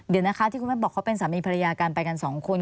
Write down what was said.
เดี๋ยวนะคะที่คุณแม่บอกเขาเป็นสามีภรรยากันไปกันสองคน